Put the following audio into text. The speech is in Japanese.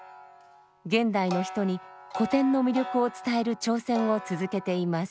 現代の人に古典の魅力を伝える挑戦を続けています。